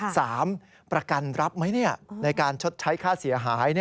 ประกันรับไหมในการชดใช้ค่าเสียหาย